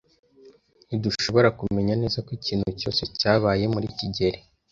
Ntidushobora kumenya neza ko ikintu cyose cyabaye kuri kigeli.